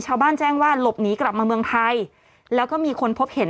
ชาวบ้านแจ้งว่าหลบหนีกลับมาเมืองไทยแล้วก็มีคนพบเห็น